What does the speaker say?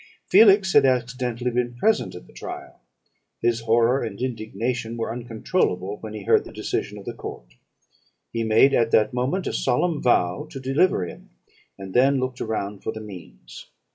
"Felix had accidentally been present at the trial; his horror and indignation were uncontrollable, when he heard the decision of the court. He made, at that moment, a solemn vow to deliver him, and then looked around for the means.